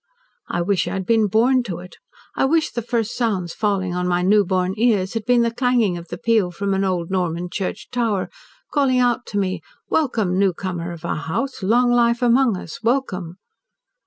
I wish I had been born to it, I wish the first sounds falling on my newborn ears had been the clanging of the peal from an old Norman church tower, calling out to me, 'Welcome; newcomer of our house, long life among us! Welcome!'